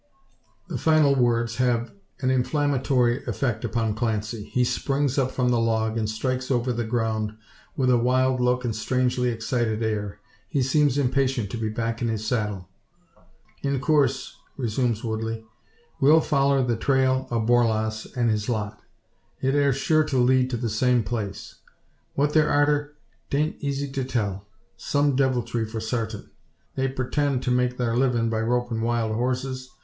The final words have an inflammatory effect upon Clancy. He springs up from the log, and strides over the ground, with a wild look and strangely excited air. He seems impatient to be back in his saddle. "In coorse," resumes Woodley, "we'll foller the trail o' Borlasse an' his lot. It air sure to lead to the same place. What they're arter 'tain't eezy to tell. Some deviltry, for sartin. They purtend to make thar livin' by ropin' wild horses?